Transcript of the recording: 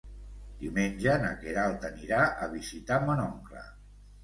Diumenge na Queralt anirà a visitar mon oncle.